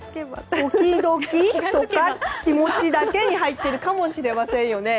時々とか気持ちだけに入っているかもですよね。